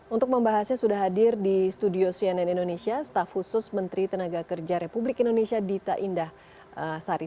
untuk membahasnya sudah hadir di studio cnn indonesia staf khusus menteri tenaga kerja republik indonesia dita indah sari